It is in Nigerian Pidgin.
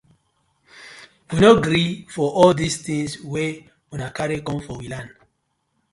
We no gree for all dis tinz wey una karry com for we land.